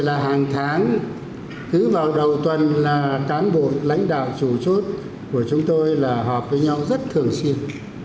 là hàng tháng cứ vào đầu tuần là cán bộ lãnh đạo chủ chốt của chúng tôi là họp với nhau rất thường xuyên